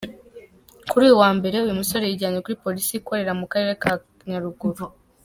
Kuri uyu wa Mbere uyu musore yijyanye kuri Polisi ikorera mu Karere ka Nyaruguru.